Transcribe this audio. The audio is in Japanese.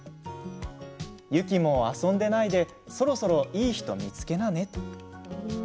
「ユキも遊んでないでそろそろいいひと見つけなね」